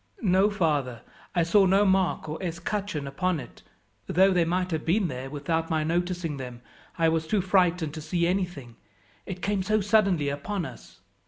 "No, father, I saw no mark or escutcheon upon it, though they might have been there without my noticing them. I was too frightened to see anything; it came so suddenly upon us."